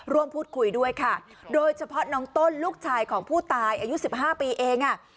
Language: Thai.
ร่วมพูดคุยด้วยค่ะโดยเฉพาะน้องต้นลูกชายของผู้ตายอายุสิบห้าปีเองอ่ะ